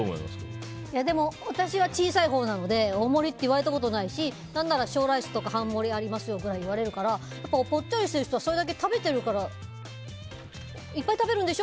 私は小さいほうなので大盛りって言われたことないし何なら小ライスとかありますよと言われるからやっぱりぽっちゃりしてる人はそれだけ食べてるからいっぱい食べるんでしょ？